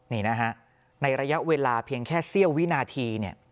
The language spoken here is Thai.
นี่นะฮะในระยะเวลาเพียงแค่เสี้ยววินาทีเนี่ย